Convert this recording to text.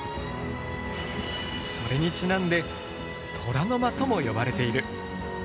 それにちなんで「虎の間」とも呼ばれている。